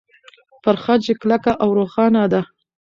په خج کې کلکه او روښانه ده.